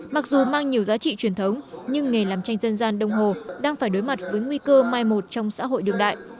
mặc dù mang nhiều giá trị truyền thống nhưng nghề làm tranh dân gian đông hồ đang phải đối mặt với nguy cơ mai một trong xã hội đương đại